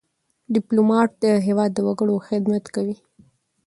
ډيپلومات د هېواد د وګړو خدمت کوي.